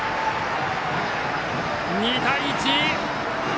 ２対１。